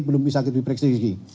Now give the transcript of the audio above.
belum bisa diperiksa lagi